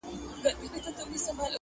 مور له خلکو شرم احساسوي او ځان پټوي